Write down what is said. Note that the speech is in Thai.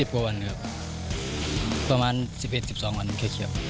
กว่าวันครับประมาณ๑๑๑๒วันเฉย